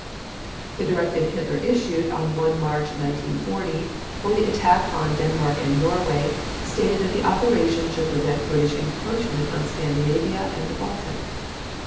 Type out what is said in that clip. The directive of Hitler issued on 1 March 1940 for the attack on Denmark and Norway stated that the operation "should prevent British encroachment on Scandinavia and the Baltic."